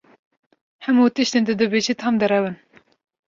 Hemû tiştên tu dibêjî tam derew in!